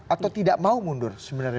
atau tidak mau mundur